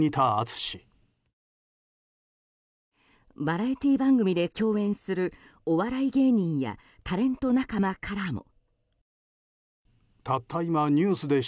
バラエティー番組で共演するお笑い芸人やタレント仲間からも。